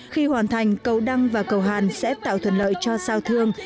khi hoàn thành cầu đăng và cầu hàn sẽ tạo thuận lợi cho sao thương